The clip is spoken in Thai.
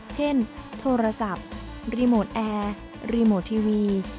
เช่นโทรศัพท์รีโมทแอร์รีโมททีวี